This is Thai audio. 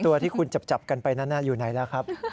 ตัวที่คุณจับกันไปนั้นอยู่ไหนแล้วครับ